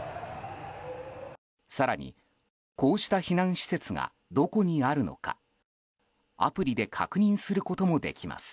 更に、こうした避難施設がどこにあるのかアプリで確認することもできます。